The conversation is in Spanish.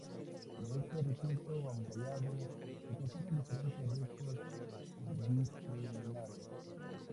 De este recinto amurallado se conservan diferentes restos diseminados.